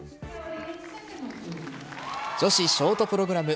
女子ショートプログラム